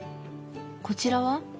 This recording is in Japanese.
こちらは。